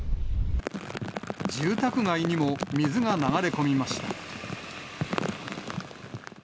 住宅街にも水が流れ込みました。